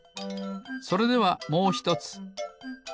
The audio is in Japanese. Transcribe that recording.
それではもうひとつ。